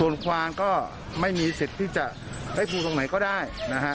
ส่วนควานก็ไม่มีสิทธิ์ที่จะได้ภูตรงไหนก็ได้นะฮะ